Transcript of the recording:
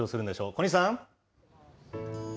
小西さん。